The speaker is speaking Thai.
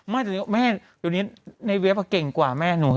ไม่ตอนนี้แม่ในเว็บเก่งกว่าแม่หนู